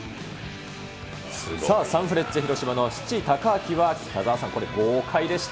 さあ、サンフレッチェ広島の志知孝明は北澤さん、これ、豪快でした。